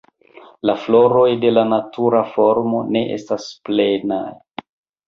La floroj de la natura formo ne estas plenaj.